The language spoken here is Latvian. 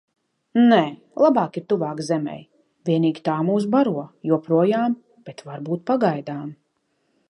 Nē, labāk ir tuvāk zemei. Vienīgi tā mūs baro. Joprojām, bet varbūt pagaidām.